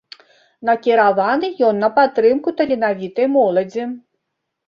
Накіраваны ён на падтрымку таленавітай моладзі.